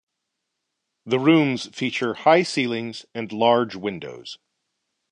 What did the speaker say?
The rooms feature high ceilings and large windows.